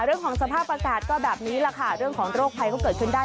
เรื่องของสภาพอากาศก็แบบนี้แหละค่ะเรื่องของโรคภัยก็เกิดขึ้นได้